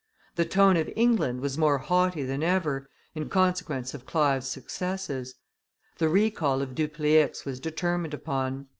The tone of England was more haughty than ever, in consequence of Clive's successes. The recall of Dupleix was determined upon.